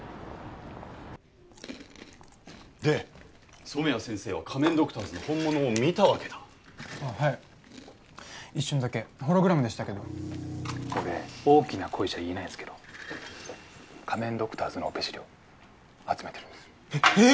で染谷先生は仮面ドクターズの本物を見たわけだああはい一瞬だけホログラムでしたけど俺大きな声じゃ言えないんですけど仮面ドクターズのオペ資料集めてるんですえっええ！